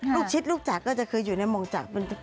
ลูกชิดลูกจักรก็จะคืออยู่ในมงจักร